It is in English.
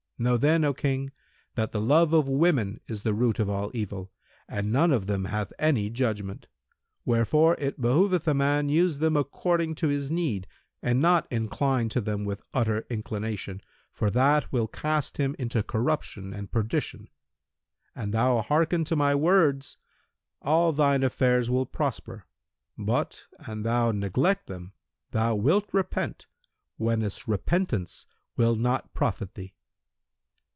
Know then, O King, that the love of women is the root of all evil and none of them hath any judgment; wherefore it behoveth a man use them according to his need and not incline to them with utter inclination for that will cast him into corruption and perdition. An thou hearken to my words, all thine affairs will prosper; but, an thou neglect them thou wilt repent, whenas repentance will not profit thee."